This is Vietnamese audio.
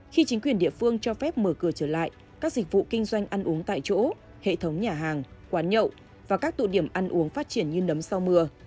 khi chính quyền địa phương cho phép mở cửa trở lại các dịch vụ kinh doanh ăn uống tại chỗ hệ thống nhà hàng quán nhậu và các tụ điểm ăn uống phát triển như nấm sau mưa